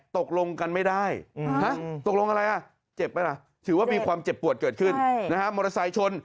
ถือว่ามีความเจ็บปวดเกิดขึ้นมอเตอร์ไซค์ชน